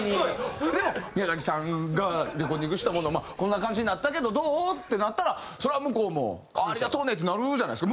でも宮崎さんがレコーディングしたもの「こんな感じになったけどどう？」ってなったらそりゃあ向こうも「ああ！ありがとうね」ってなるじゃないですか。